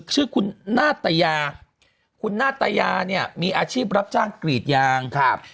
ชื่อคุณนาตยาคุณนาตยาเนี่ยมีอาชีพรับจ้างกรีดยางครับ